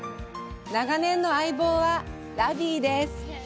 長年の相棒はラビーです。